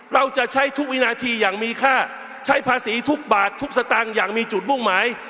เราจะใช้ทุกวินาทีอย่างมีค่าใช้ภาษีทุกบาททุกสตางค์อย่างมีจุดมุ่งหมาย